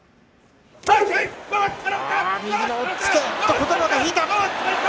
琴ノ若、引いた。